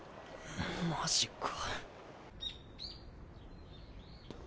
マジか。